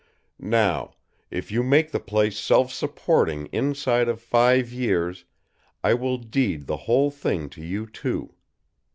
"Now, if you make the place self supporting inside of five years, I will deed the whole thing to you two.